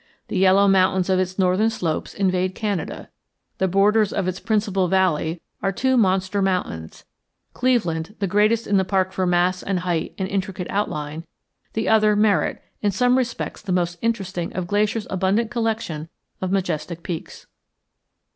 The yellow mountains of its northern slopes invade Canada. The borders of its principal valley are two monster mountains, Cleveland, the greatest in the park for mass and height and intricate outline; the other, Merritt, in some respects the most interesting of Glacier's abundant collection of majestic peaks.